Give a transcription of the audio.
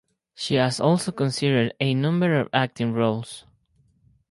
She has also considered a number of acting roles.